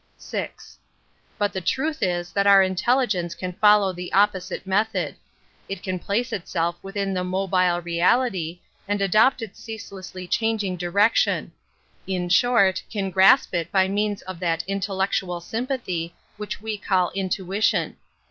■^ VI. But the truth is that our intelligence ^ can follow the opposite method. It can place itself within the mobile reality, and adopt its ceaselessly changing direction; in short, can grasp it by means of that intel ^. lectual sympathy which we call intuition.